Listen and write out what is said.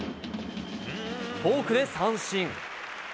フォークで三振。